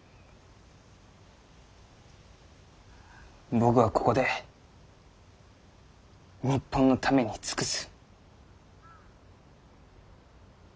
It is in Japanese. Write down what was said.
僕はここで日本のために尽くす。